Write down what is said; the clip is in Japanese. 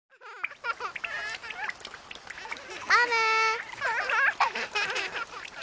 あめ。